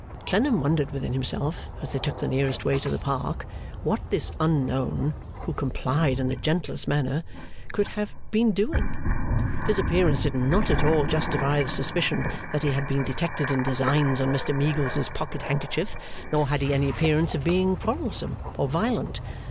Clennam wondered within himself, as they took the nearest way to the Park, what this unknown (who complied in the gentlest manner) could have been doing. His appearance did not at all justify the suspicion that he had been detected in designs on Mr Meagles's pocket handkerchief; nor had he any appearance of being quarrelsome or violent.